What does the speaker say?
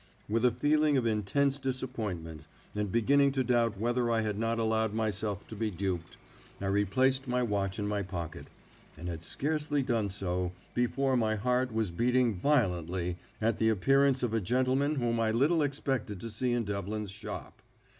With a feeling of intense disappointment, and beginning to doubt whether I had not allowed myself to be duped, I replaced my watch in my pocket, and had scarcely done so before my heart was beating violently at the appearance of a gentleman whom I little expected to see in Devlin's shop.